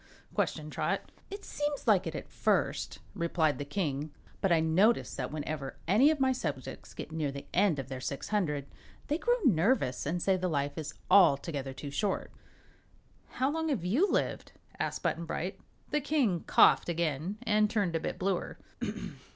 questioned Trot. "It seems like it, at first," replied the King, "but I notice that whenever any of my subjects get near the end of their six hundred, they grow nervous and say the life is altogether too short." "How long have you lived?" asked Button Bright. The King coughed again and turned a bit bluer.